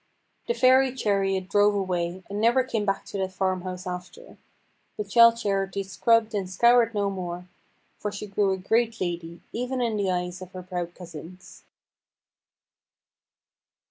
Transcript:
The Fairy chariot drove away, and never came back to that farmhouse after. But Childe Charity scrubbed and scoured no more, for she grew a great lady, even in the eyes of her proud cousins.